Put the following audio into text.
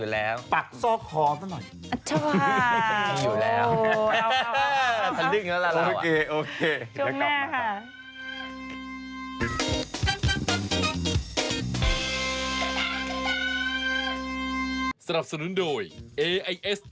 ลองหน่อยไหม